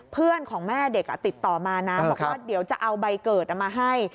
เพื่อนของแม่เด็กติดต่อมานะบอกว่าเดี๋ยวจะเอาใบเกิดมาให้